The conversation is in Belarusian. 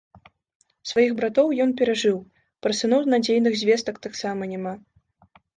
Сваіх братоў ён перажыў, пра сыноў надзейных звестак таксама няма.